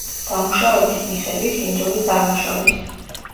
დამუშავების მიხედვით— ინდური წარმოშობის.